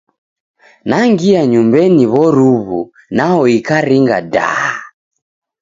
Nangia nyumbenyi w'oruw'u nao ikaringa ndaa!